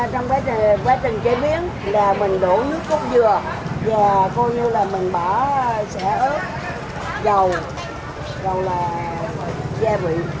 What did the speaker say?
trong quá trình chế biến là mình đổ nước ốc dừa và coi như là mình bỏ sẻ ớt dầu rồi là gia vị